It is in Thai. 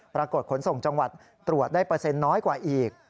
ขนส่งจังหวัดตรวจได้เปอร์เซ็นต์น้อยกว่าอีก